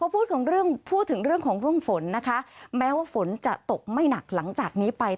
พูดถึงเรื่องพูดถึงเรื่องของเรื่องฝนนะคะแม้ว่าฝนจะตกไม่หนักหลังจากนี้ไป